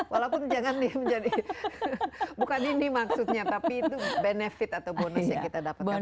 walaupun jangan jadi bukan ini maksudnya tapi itu benefit atau bonus yang kita dapatkan